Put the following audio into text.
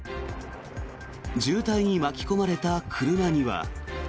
渋滞に巻き込まれた車には。